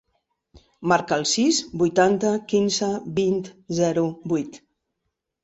Marca el sis, vuitanta, quinze, vint, zero, vuit.